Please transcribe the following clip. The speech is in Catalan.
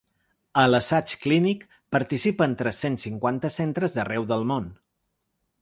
A l’assaig clínic participen tres-cents cinquanta centres d’arreu del món.